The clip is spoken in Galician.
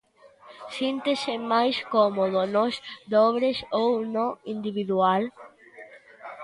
Síntese máis cómodo nos dobres ou no individual?